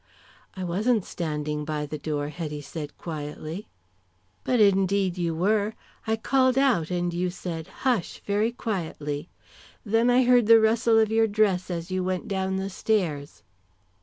"I wasn't standing by the door," Hetty said, quietly. "But indeed you were. I called out and you said 'Hush' very quietly. Then I heard the rustle of your dress as you went down the stairs."